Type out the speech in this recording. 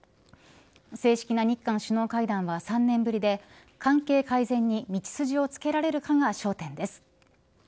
正式な日韓首脳会談は３年ぶりで関係改善に道筋をつけられるかが焦点です。